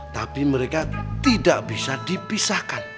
tapi mereka tidak bisa dipisahkan